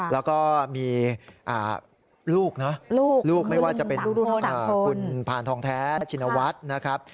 แล้วก็มีลูกนะลูกไม่ว่าจะเป็นคุณพานทองแท้ชินวัฒน์นะครับ